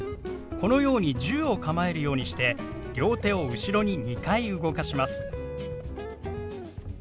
このように銃を構えるようにして両手を後ろに２回動かします。